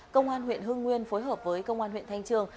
công an huyện hương nguyên phối hợp với công an huyện thanh trương